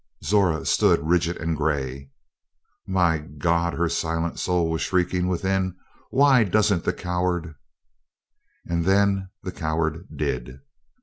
Zora stood rigid and gray. "My God!" her silent soul was shrieking within, "why doesn't the coward " And then the "coward" did.